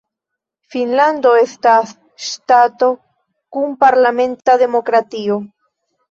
Finnlando estas ŝtato kun parlamenta demokratio.